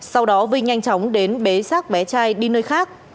sau đó vinh nhanh chóng đến bế xác bé trai đi nơi khác